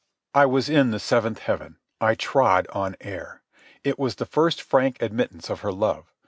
I was in the seventh heaven. I trod on air. It was the first frank admittance of her love.